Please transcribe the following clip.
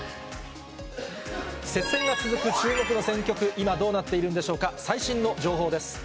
接戦が続く注目の選挙区、今どうなっているんでしょうか。